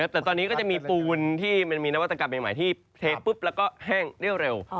แต่ตอนนี้ก็จะมีปูนที่มันมีนวัตกรรมใหม่ที่เทปุ๊บแล้วก็แห้งได้เร็ว